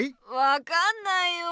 分かんないよ。